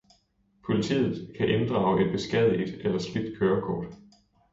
Politiet kan inddrage et beskadiget eller slidt kørekort